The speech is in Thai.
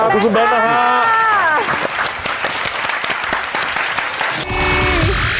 ขอบคุณแบงค์ค่ะขอบคุณแบงค์ค่ะ